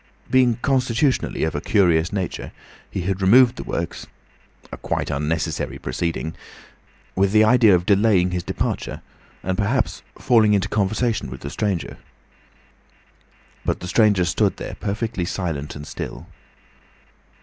Being constitutionally of a curious nature, he had removed the works—a quite unnecessary proceeding—with the idea of delaying his departure and perhaps falling into conversation with the stranger. But the stranger stood there, perfectly silent and still.